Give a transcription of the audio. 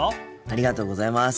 ありがとうございます。